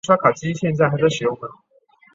没有获得它们的原谅你就别想跨入家门一步！